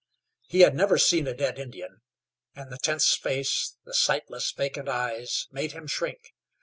He had never seen a dead Indian, and the tense face, the sightless, vacant eyes made him shrink.